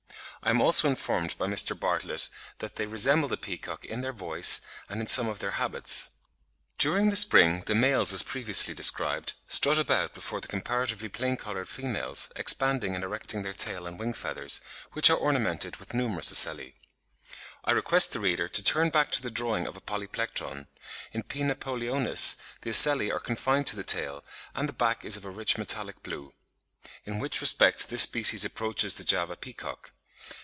I am also informed by Mr. Bartlett that they resemble the peacock in their voice and in some of their habits. During the spring the males, as previously described, strut about before the comparatively plain coloured females, expanding and erecting their tail and wing feathers, which are ornamented with numerous ocelli. I request the reader to turn back to the drawing (Fig. 51) of a Polyplectron; In P. napoleonis the ocelli are confined to the tail, and the back is of a rich metallic blue; in which respects this species approaches the Java peacock.